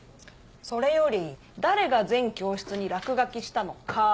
それより誰が全教室に落書きしたのかです。